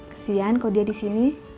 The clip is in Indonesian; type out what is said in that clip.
kesian kalau dia di sini